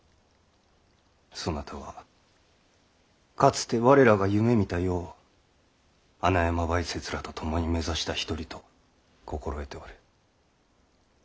そなたはかつて我らが夢みた世を穴山梅雪らと共に目指した一人と心得ておる。